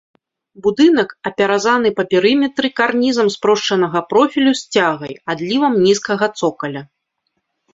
Будынак апяразаны па перыметры карнізам спрошчанага профілю з цягай, адлівам нізкага цокаля.